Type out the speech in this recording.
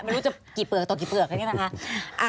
ไม่รู้จะกี่เปลือกต่อกี่เปลือกอันนี้นะคะ